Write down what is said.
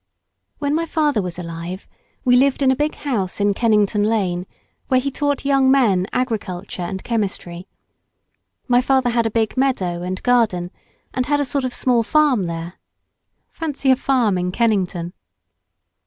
When my father was alive we lived in a big house in Kennington Lane, where he taught young men agriculture and chemistry. My father had a big meadow and garden, and had a sort of small farm there. Fancy a farm in Kennington!